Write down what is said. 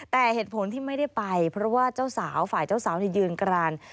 แต่เหตุผลที่ไม่ได้ไปเพราะว่าเจ้าสาวฝ่ายเจ้าสาวยืนกราน